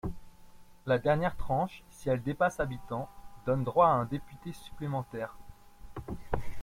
La dernière tranche, si elle dépasse habitants, donne droit à un député supplémentaire.